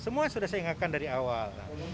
semua sudah saya ingatkan dari awal